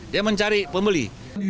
dia mencari pembeli